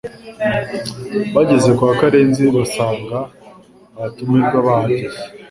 Bageze kwa Karenzi basanze abatumirwa bahageze